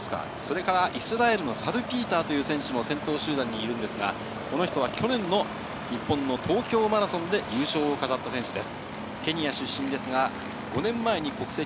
イスラエルのサルピーターという選手も先頭集団にいますが、この人は去年の日本の東京マラソンで優勝を飾った選手です。